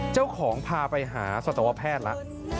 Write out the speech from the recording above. เจ้าของพาไปหาสัตวแพทย์แล้ว